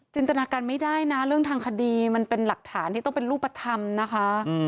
ตนาการไม่ได้นะเรื่องทางคดีมันเป็นหลักฐานที่ต้องเป็นรูปธรรมนะคะ